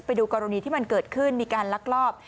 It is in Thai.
ไปดูกรณีที่มันเกิดขึ้นมีการลักลอบ